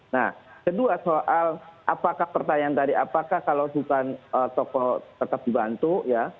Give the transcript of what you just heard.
nah kedua soal apakah pertanyaan tadi apakah kalau bukan tokoh tetap dibantu ya